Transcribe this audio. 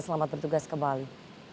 selamat bertugas kembali